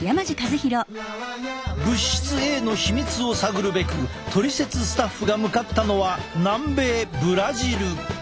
物質Ａの秘密を探るべくトリセツスタッフが向かったのは南米ブラジル。